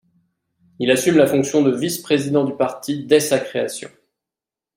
Il assume la fonction de vice-Président du parti dès sa création.